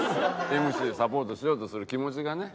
ＭＣをサポートしようとする気持ちがね。